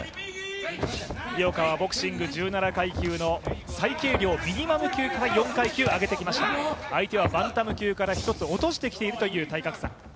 井岡はボクシング１７階級の最軽量ミニマム級から４階級上げてきました、相手はバンタム級から１つ落としてきているという体格差